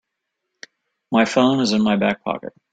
My phone is in my back pocket.